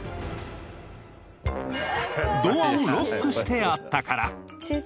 ドアをロックしてあったから。